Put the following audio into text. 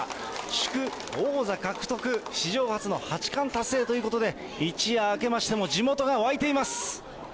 祝王座獲得、史上初の八冠達成ということで、一夜明けましても、地元が沸いています。